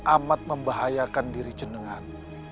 amat membahayakan diri jenengan